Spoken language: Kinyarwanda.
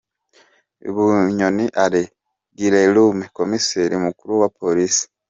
Bunyoni Alain Guillaume Komiseri mukuru wa Polisi